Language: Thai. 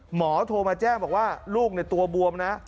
โทรมาแจ้งบอกว่าลูกตัวบวมนะ